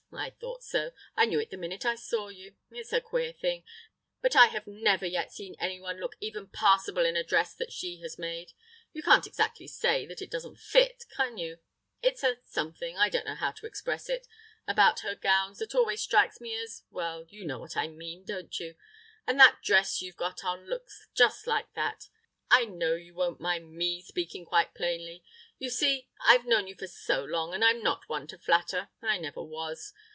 I thought so, I knew it the minute I saw you. It's a queer thing, but I have never yet seen anyone look even passable in a dress that she has made. You can't exactly say that it doesn't fit, can you? It's a something—I don't know how to express it—about her gowns that always strikes me as—well, you know what I mean, don't you? And that dress you've got on looks just like that! I know you won't mind me speaking quite plainly; you see, I've known you for so long, and I'm not one to flatter, I never was.